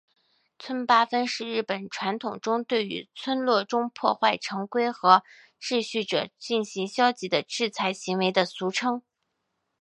村八分是日本传统中对于村落中破坏成规和秩序者进行消极的制裁行为的俗称。